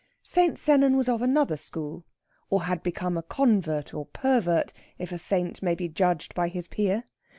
St. Sennan was of another school, or had become a convert or pervert, if a Saint may be judged by his pier.